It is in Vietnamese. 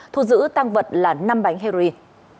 thu giữ tăng vật là năm bánh heroin